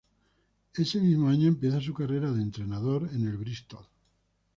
Ese mismo año empieza su carrera de entrenador en el Bristol.